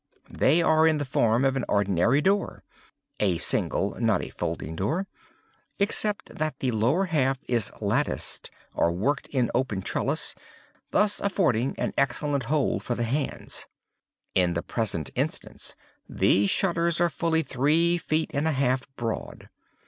They are in the form of an ordinary door (a single, not a folding door), except that the lower half is latticed or worked in open trellis—thus affording an excellent hold for the hands. In the present instance these shutters are fully three feet and a half broad.